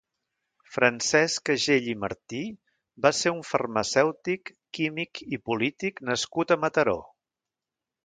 Francesc Agell i Martí va ser un farmacèutic, químic i polític nascut a Mataró.